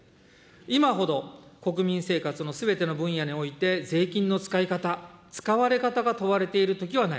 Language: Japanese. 今ほど国民生活のすべての分野において、税金の使い方、使われ方が問われているときはない。